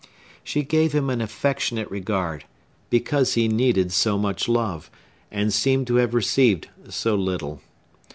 She gave him an affectionate regard, because he needed so much love, and seemed to have received so little.